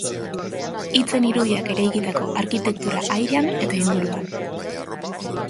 Hitzen irudiak eraikitako arkitektura airean eta inguruan.